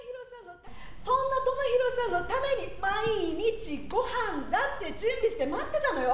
そんなともひろさんのために、毎日ごはんだって準備して待ってたのよ。